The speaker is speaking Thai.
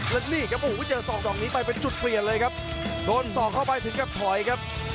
และนี่ครับโอ้โหเจอศอกดอกนี้ไปเป็นจุดเปลี่ยนเลยครับโดนสอกเข้าไปถึงกับถอยครับ